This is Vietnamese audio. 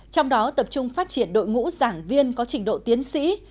trong đó tập trung phát triển đội ngũ giảng viên có trình độ tiến sĩ